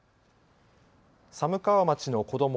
寒川町の子ども